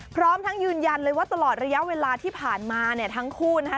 พร้อมทั้งยืนยันเลยว่าตลอดระยะเวลาที่ผ่านมาเนี่ยทั้งคู่นะคะ